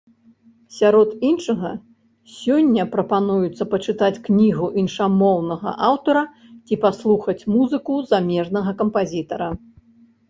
Сярод іншага, сёння прапануецца пачытаць кнігу іншамоўнага аўтара ці паслухаць музыку замежнага кампазітара.